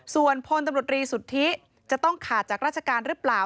ส่วนพตศจะต้องขาดจากราชการหรือเปล่า